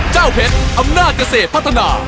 เจ้าเพชรอำนาจเกษตรพัฒนา